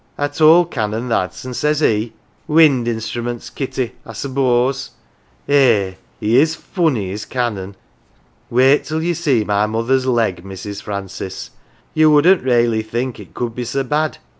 1 I told Canon that, an 1 says he, 'Wind instruments, Kitty, I s'pose.' Eh ! he is foonny, is Canon. Wait till ye see .my mother's leg, Mrs. Francis, you wouldn't raly think it could be so bad.